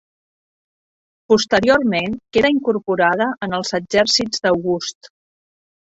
Posteriorment quedà incorporada en els exèrcits d'August.